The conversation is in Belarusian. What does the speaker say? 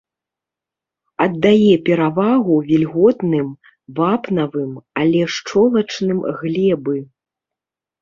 Аддае перавагу вільготным, вапнавым, але шчолачным глебы.